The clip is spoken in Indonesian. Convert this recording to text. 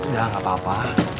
ya gak apa apa